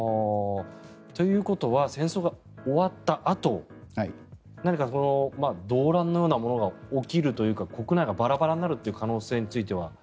ということは戦争が終わったあと何か動乱のようなものが起きるというか国内がバラバラになる可能性については。